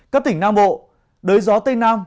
các tỉnh nam bộ đới gió tây nam